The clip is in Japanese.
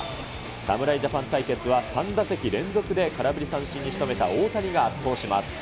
侍ジャパン対決は、３打席連続で空振り三振に仕留めた大谷が圧倒します。